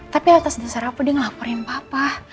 tapi atas dasar aku dia ngelaporin papa